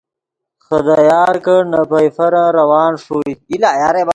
خدا یار کڑ نے پئیفرن روان ݰوئے